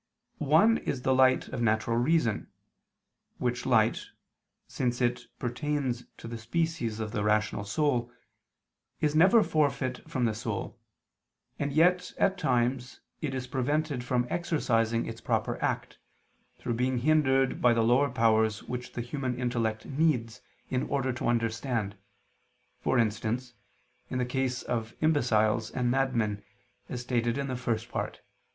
One is the light of natural reason, which light, since it pertains to the species of the rational soul, is never forfeit from the soul, and yet, at times, it is prevented from exercising its proper act, through being hindered by the lower powers which the human intellect needs in order to understand, for instance in the case of imbeciles and madmen, as stated in the First Part (Q.